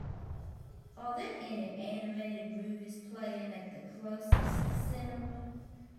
Are there any animated movies playing at the closest cinema?